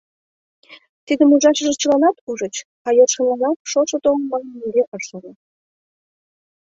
Тидым ужашыже чыланат ужыч, а йӧршынланак шошо толын манын нигӧ ыш шоно.